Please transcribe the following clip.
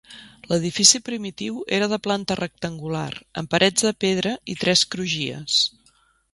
L'edifici primitiu era de planta rectangular amb parets de pedra i tres crugies.